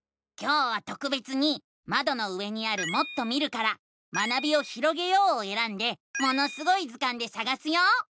今日はとくべつにまどの上にある「もっと見る」から「学びをひろげよう」をえらんで「ものすごい図鑑」でさがすよ。